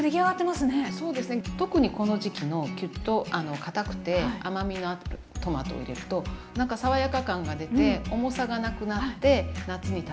そうですね特にこの時期のキュッとかたくて甘みのあるトマトを入れるとなんか爽やか感が出て重さがなくなって夏に食べやすいかなと。